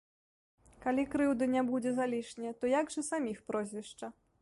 Калі крыўды не будзе залішне, то як жа саміх прозвішча?